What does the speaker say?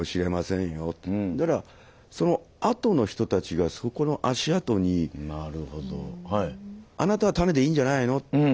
だからそのあとの人たちがそこの足あとにあなたはタネでいいんじゃないのって。